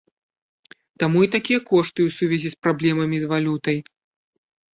Таму і такія кошты ў сувязі з праблемамі з валютай.